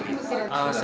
tapi tapi tapi